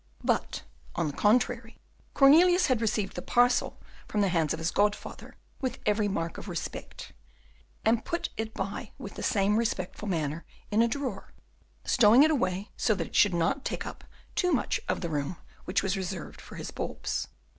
But, on the contrary, Cornelius had received the parcel from the hands of his godfather with every mark of respect, and put it by with the same respectful manner in a drawer, stowing it away so that it should not take up too much of the room which was reserved to his bulbs.